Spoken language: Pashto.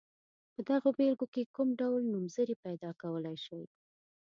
په دغو بېلګو کې کوم ډول نومځري پیداکولای شئ.